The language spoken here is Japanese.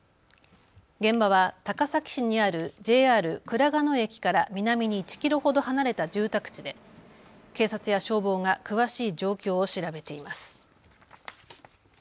現場は高崎市にあるＪＲ倉賀野駅から南に１キロほど離れた住宅地で警察や消防が詳しい状況を調べています。